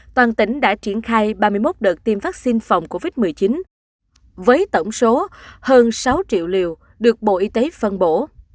toàn tỉnh đã triển khai ba mươi một đợt tiêm vaccine phòng covid một mươi chín với tổng số hơn sáu triệu liều được bộ y tế phân bổ